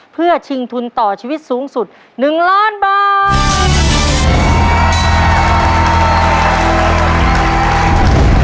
เพื่อชิงทุนต่อชีวิตสูงสุด๑ล้านบาท